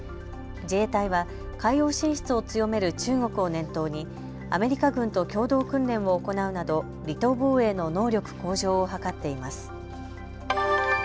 自衛隊は海洋進出を強める中国を念頭にアメリカ軍と共同訓練を行うなど離島防衛の能力向上を図っています。